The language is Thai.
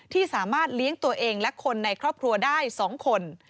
ที่สามารถเลี้ยงตัวเองและคนในครอบครัวได้๒คน